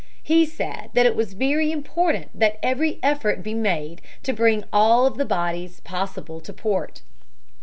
He said it was very important that every effort be made to bring all of the bodies possible to port.